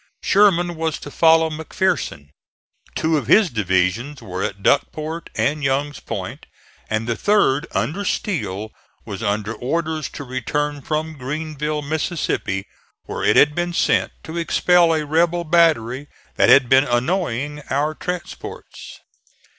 Sherman was to follow McPherson. Two of his divisions were at Duckport and Young's Point, and the third under Steele was under orders to return from Greenville, Mississippi, where it had been sent to expel a rebel battery that had been annoying our transports.